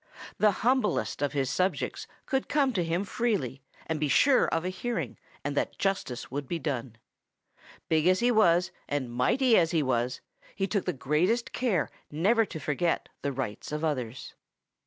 The humblest of his subjects could come to him freely and be sure of a hearing and that justice would be done. Big as he was and mighty as he was, he took the greatest care never to forget the rights of others.